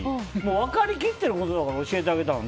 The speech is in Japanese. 分かり切ってることだから教えてあげたの。